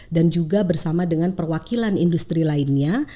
dan juga bersama dengan perwakilan industri lainnya